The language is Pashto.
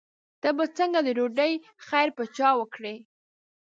ته به څنګه د ډوډۍ خیر پر چا وکړې.